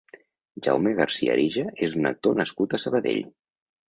Jaume Garcia Arija és un actor nascut a Sabadell.